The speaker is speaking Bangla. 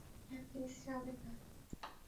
হ্যাঁ, প্লিজ যাবেন না।